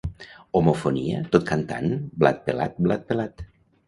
Homofonia tot cantant «Blat pelat, blat pelat».